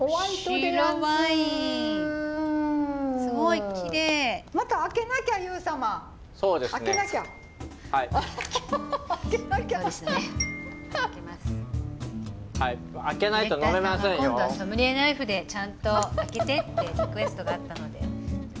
ディレクターさんから今度はソムリエナイフでちゃんと開けてってリクエストがあったので。